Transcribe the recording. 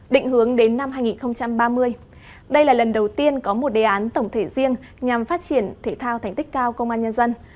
định hướng đến năm hai nghìn ba mươi đây là lần đầu tiên có một đề án tổng thể riêng nhằm phát triển thể thao thành tích cao công an nhân dân